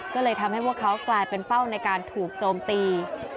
ก็เลยทำให้พวกเขากลายเป็นเป้าในการถูกโจมตี